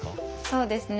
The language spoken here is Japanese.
そうですね。